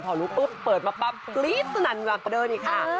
พอรู้ปุ๊บเปิดมาปั๊บกรี๊ดสนั่นหลับประเดิมอีกค่ะ